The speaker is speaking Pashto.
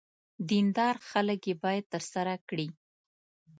دیندار خلک یې باید ترسره کړي.